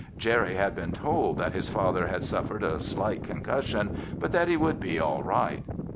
Jerry had been told that his father had suffered a slight concussion, but that he would be all right.